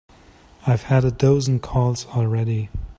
I've had a dozen calls already.